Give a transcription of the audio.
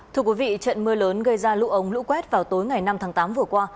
thưa quý vị trận mưa lớn gây ra lũ ống lũ quét vào tối ngày năm tháng tám vừa qua